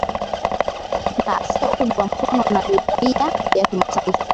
na asiye ugwa mkono na jumuiya ya kimataifa